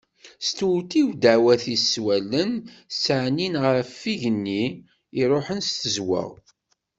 Testewtiw ddaɛwat-is s wallen yettɛennin ɣer yigenni iruḥen s tezweɣ.